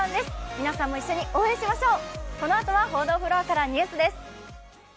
皆さんも一緒に応援しましょう。